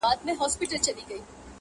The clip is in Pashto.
لاس مو تل د خپل ګرېوان په وینو سور دی-